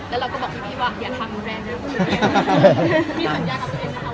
แล้วเราก็บอกพี่ว่าอย่าทำแรงด้วยกูเนี่ย